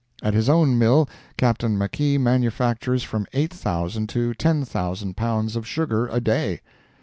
At his own mill, Captain Makee manufactures from eight thousand to ten thousand pounds of sugar a day.